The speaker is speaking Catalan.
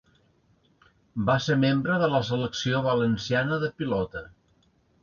Va ser membre de la Selecció Valenciana de Pilota.